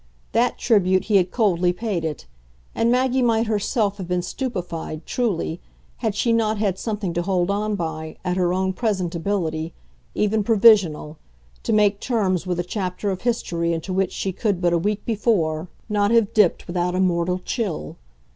That tribute he had coldly paid it, and Maggie might herself have been stupefied, truly, had she not had something to hold on by, at her own present ability, even provisional, to make terms with a chapter of history into which she could but a week before not have dipped without a mortal chill.